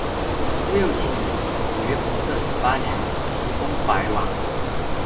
朱佑棨于弘治十八年袭封淮王。